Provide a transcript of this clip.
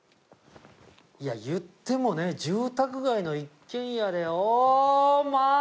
いやいってもね住宅街の一軒家で。